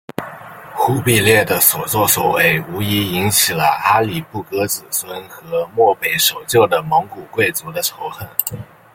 忽必烈的所做所为无疑引起了阿里不哥子孙和漠北守旧的蒙古贵族的仇恨。